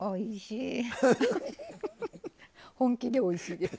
おいしい！